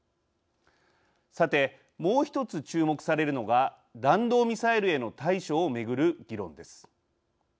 さて、もう１つ注目されるのが弾道ミサイルへの対処を巡る議論です。